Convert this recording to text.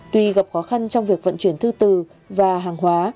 tuy gặp khó khăn trong việc vận chuyển thư từ và hàng hóa